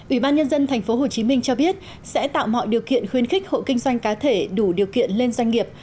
ủy ban nhân dân tp hcm cho biết sẽ tạo mọi điều kiện khuyến khích hộ kinh doanh cá thể đủ điều kiện lên doanh nghiệp